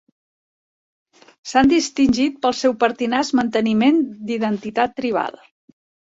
S'han distingit pel seu pertinaç manteniment d'identitat tribal.